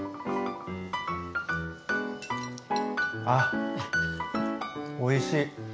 ああおいしい！